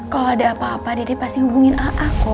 kalau ada apa apa dede pasti hubungin aku